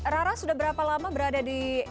rara sudah berapa lama berada di